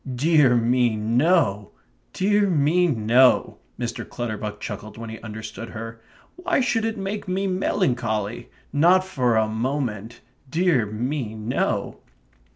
"Dear me no, dear me no," Mr. Clutterbuck chuckled when he understood her. "Why should it make me melancholy? Not for a moment dear me no."